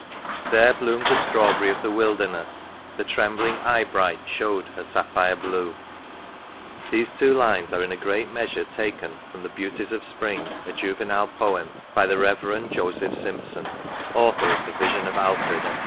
There bloomed the strawberry of the wilderness, The trembling eye bright showed her sapphire blue/' These two lines are in a great measure taken from " The Beauties of Spring, a Juvenile Poem," by the Rev. Joseph Sympson, author of " The Vision of Alfred," &c.